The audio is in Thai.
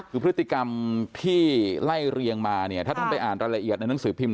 คือพฤติกรรมที่ไล่เรียงมาเนี่ยถ้าท่านไปอ่านรายละเอียดในหนังสือพิมพ